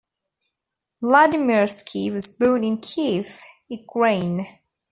Vladimirski was born in Kiev, Ukraine.